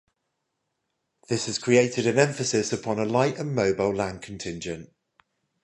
This has created an emphasis upon a light and mobile land contingent.